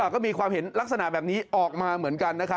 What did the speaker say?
ก็มีความเห็นลักษณะแบบนี้ออกมาเหมือนกัน